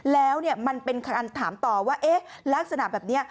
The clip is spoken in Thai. แล้วมันเป็นคำถามต่อว่าเอ๊ะลักษณะแบบนี้